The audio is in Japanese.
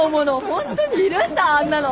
ホントにいるんだあんなの。